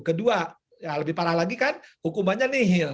kedua ya lebih parah lagi kan hukumannya nihil